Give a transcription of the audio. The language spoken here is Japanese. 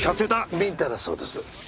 ビンタだそうです。